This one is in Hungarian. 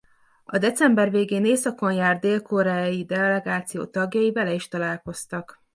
A december végén északon járt dél-koreai delegáció tagjai vele is találkoztak.